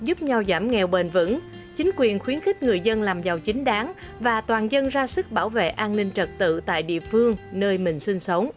giúp nhau giảm nghèo bền vững chính quyền khuyến khích người dân làm giàu chính đáng và toàn dân ra sức bảo vệ an ninh trật tự tại địa phương nơi mình sinh sống